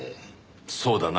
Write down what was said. そうだな。